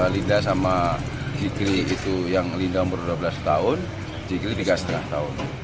linda sama jikri itu yang linda umur dua belas tahun jikri tiga setengah tahun